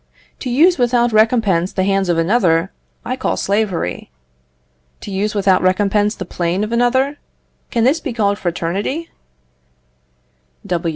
To use without recompense the hands of another, I call slavery; to use without recompense the plane of another, can this be called fraternity?